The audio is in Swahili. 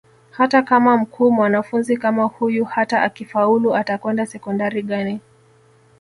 Hata kama mkuu mwanafunzi kama huyu hata akifaulu atakwenda Sekondari gani